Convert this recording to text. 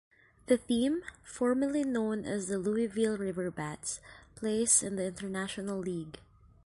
The team, formerly known as the Louisville RiverBats, plays in the International League.